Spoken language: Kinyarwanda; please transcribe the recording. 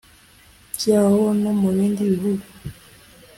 byawo no mu bindi bihugu